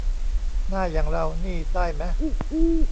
หน้าอย่างเรานี่ได้แมะ